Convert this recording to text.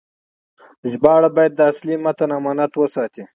ژباړه باید د اصلي متن امانت وساتي.